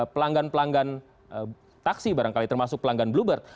pelanggan pelanggan taksi barangkali termasuk pelanggan bluebird